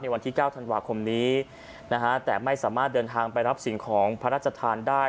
วันที่๙ธันวาคมนี้นะฮะแต่ไม่สามารถเดินทางไปรับสิ่งของพระราชทานได้